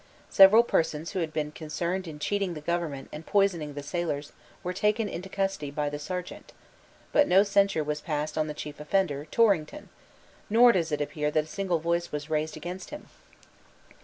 Several persons who had been concerned in cheating the government and poisoning the sailors were taken into custody by the Serjeant, But no censure was passed on the chief offender, Torrington, nor does it appear that a single voice was raised against him.